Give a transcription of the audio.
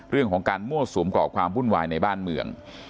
เรื่องของการมั่วสุมก่อความวุ่นวายในบ้านเมือง